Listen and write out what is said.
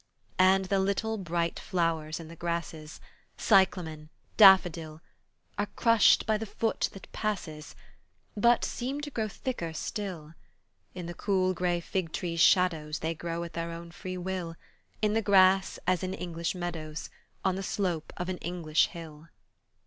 And the little bright flowers in the grasses, Cyclamen, daffodil, Are crushed by the foot that passes, But seem to grow thicker still; In the cool grey fig tree's shadows They grow at their own free will, In the grass as in English meadows, On the slope of an English hill.